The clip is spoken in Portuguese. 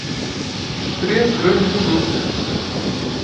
Três grandes indústrias